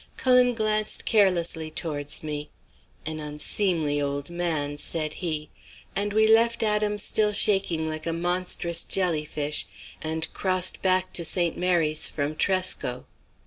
Cullen glanced carelessly towards me. 'An unseemly old man,' said he; and we left Adam still shaking like a monstrous jellyfish, and crossed back to St. Mary's from Tresco.